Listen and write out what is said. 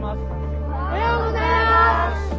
おはようございます。